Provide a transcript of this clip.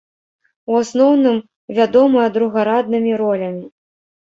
У асноўным вядомая другараднымі ролямі.